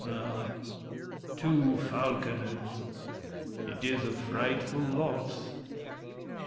Ah, Two falconers! It is a frightful loss!